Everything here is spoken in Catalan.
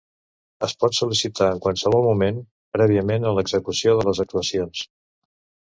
Es pot sol·licitar en qualsevol moment, prèviament a l'execució de les actuacions.